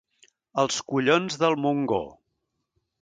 Als collons del Montgó.